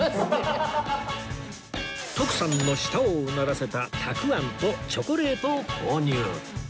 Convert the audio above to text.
徳さんの舌をうならせたたくあんとチョコレートを購入